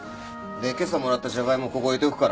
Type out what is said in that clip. で今朝もらったジャガイモここに置いておくから。